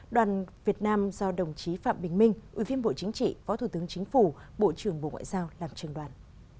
đoàn việt nam do đồng chí phạm bình minh ủy viên bộ chính trị phó thủ tướng chính phủ bộ trưởng bộ ngoại giao làm trường đoàn